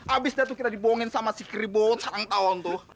abisnya tuh kita dibohongin sama si kribot sarang tahun tuh